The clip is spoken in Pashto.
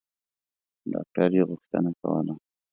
ډاکټر یې غوښتنه کوله.